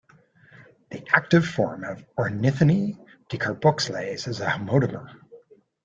The active form of ornithine decarboyxlase is a homodimer.